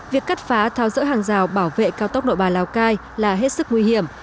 việc cắt phá tháo rỡ hàng rào bảo vệ cao tốc nội bài lào cai là hết sức nguy hiểm